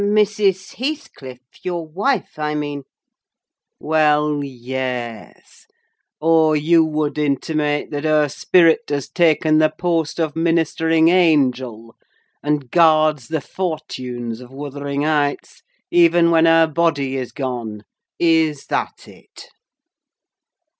"Mrs. Heathcliff, your wife, I mean." "Well, yes—oh, you would intimate that her spirit has taken the post of ministering angel, and guards the fortunes of Wuthering Heights, even when her body is gone. Is that it?"